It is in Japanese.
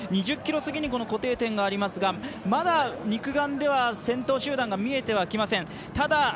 ２０ｋｍ過ぎに固定点がありますがまだ肉眼では先頭集団が見えてはきません。